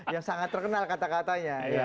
yang sangat terkenal kata katanya